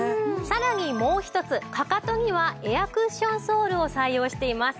さらにもう一つかかとにはエアクッションソールを採用しています。